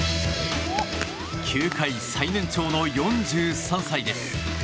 球界最年長の４３歳です。